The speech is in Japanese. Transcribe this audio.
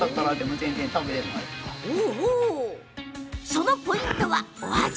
そのポイントはお味。